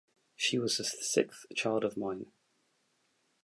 She was the sixth child of nine.